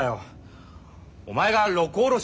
お前が「六甲おろし」